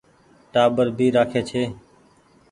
ٽآٻر ڀي رآکي ڇي۔